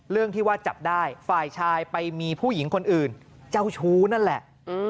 เรื่องที่ว่าจับได้ฝ่ายชายไปมีผู้หญิงคนอื่นเจ้าชู้นั่นแหละ